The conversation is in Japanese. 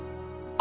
あ。